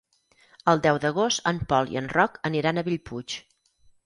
El deu d'agost en Pol i en Roc aniran a Bellpuig.